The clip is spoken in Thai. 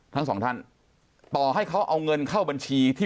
ทั้งสองท่านต่อให้เขาเอาเงินเข้าบัญชีที่